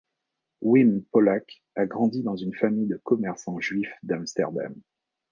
Wim Polak a grandi dans une famille de commerçants juifs d'Amsterdam.